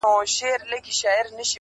ته چي قدمونو كي چابكه سې_